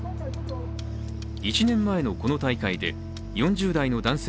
１年前のこの大会で、４０代の男性